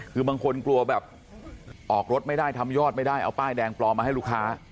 คือบางคนกลัวแบบออกรถไม่ได้ทำยอดไม่ได้เอาป้ายแดงปลอมมาให้ลูกค้า